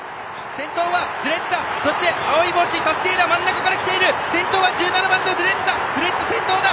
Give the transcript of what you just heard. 先頭はドゥレッツァ、そして青い帽子、タスティエーラ、真ん中から来ている、先頭はドゥレッツァ、ドゥレッツァ先頭だ。